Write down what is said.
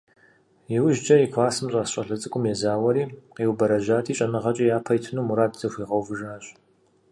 Иужькӏэ и классым щӏэс щӏалэ цӏыкӏум езауэри, къиубэрэжьати, щӏэныгъэкӏэ япэ итыну мураду зыхуигъэувыжащ.